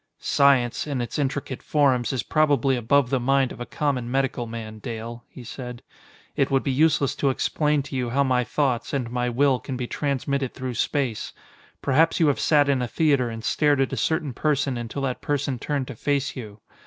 "Science, in its intricate forms, is probably above the mind of a common medical man, Dale," he said. "It would be useless to explain to you how my thoughts and my will can be transmitted through space. Perhaps you have sat in a theater and stared at a certain person until that person turned to face you.